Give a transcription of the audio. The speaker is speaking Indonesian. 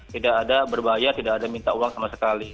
tidak ada berbahaya tidak ada minta uang sama sekali